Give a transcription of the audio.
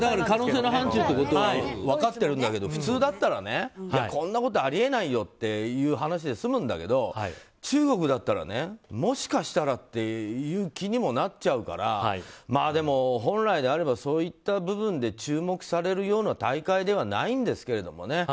可能性の範疇ってことは分かってるんだけど普通だったらねこんなことあり得ないよっていう話で済むんだけど中国だったらもしかしたらっていう気にもなっちゃうからでも、本来であればそういった部分で注目されるような大会ではないんですけれどもね。